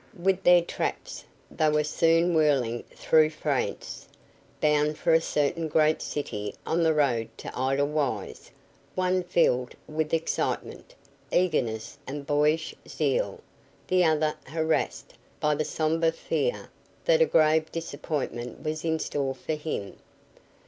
With their traps they were soon whirling through France, bound for a certain great city, on the road to Edelweiss, one filled with excitement, eagerness and boyish zeal, the other harrassed by the sombre fear that a grave disappointment was in store for him.